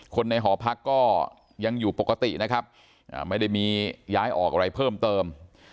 ในหอพักก็ยังอยู่ปกตินะครับไม่ได้มีย้ายออกอะไรเพิ่มเติม